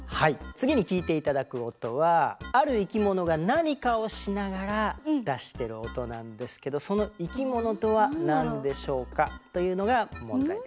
次に聞いて頂く音はある生き物が何かをしながら出してる音なんですけどその生き物とは何でしょうか？というのが問題です。